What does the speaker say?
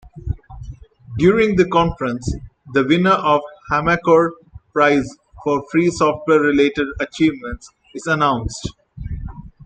During the conference, the winner of Hamakor Prize for free software-related achievements is announced.